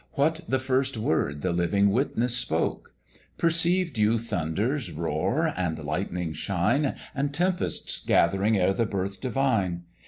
What the first word the living Witness spoke? Perceived you thunders roar and lightnings shine, And tempests gathering ere the Birth divine?